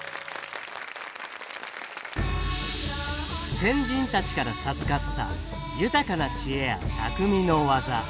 先人たちから授かった豊かな知恵や匠の技。